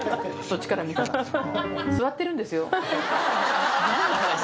そっちから見たら。